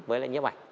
với lại nhãn bảnh